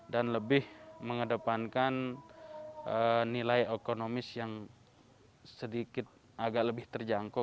dan lebih mengedepankan nilai ekonomis yang sedikit agak lebih terjangkau